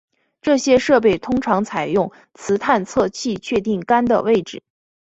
这些设备通常采用磁探测器确定杆的位置。